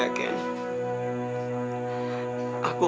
aku tau segalanya tentang alva